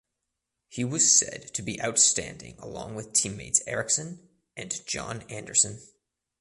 He was said to be outstanding along with teammates Erickson and John Anderson.